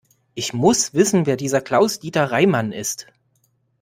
Ich muss wissen, wer dieser Klaus-Dieter Reimann ist.